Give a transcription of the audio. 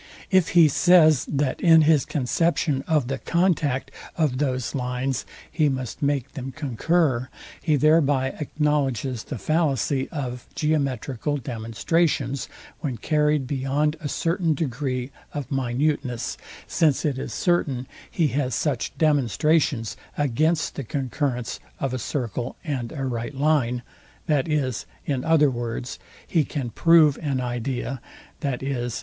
If he says, that in his conception of the contact of those lines he must make them concur, he thereby acknowledges the fallacy of geometrical demonstrations, when carryed beyond a certain degree of minuteness; since it is certain he has such demonstrations against the concurrence of a circle and a right line; that is, in other words, he can prove an idea, viz.